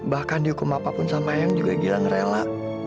bahkan dihukum apapun sama eyang juga gilang rela